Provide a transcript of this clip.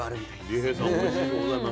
利平さんおいしくございます。